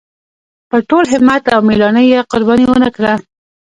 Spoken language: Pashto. په ټول همت او مېړانۍ یې قرباني ونکړه.